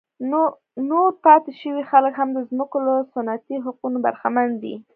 نور پاتې شوي خلک هم د ځمکو له سنتي حقونو برخمن دي.